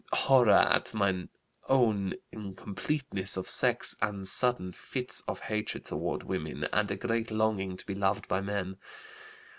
Horror at my own incompleteness of sex and sudden fits of hatred toward women and a great longing to be loved by men.